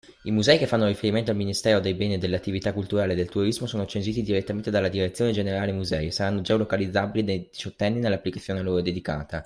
I musei che fanno riferimento al Ministero dei beni e delle attività culturali e del turismo sono censiti direttamente dalla Direzione Generale Musei e saranno geo-localizzabili dai diciottenni nell’applicazione a loro dedicata.